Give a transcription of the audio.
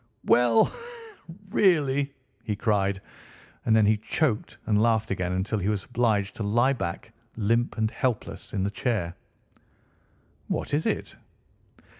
"Well, really!" he cried, and then he choked and laughed again until he was obliged to lie back, limp and helpless, in the chair. "What is it?"